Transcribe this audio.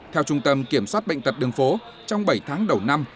theo trung tâm kiểm soát bệnh tật đường phố trong bảy tháng đầu năm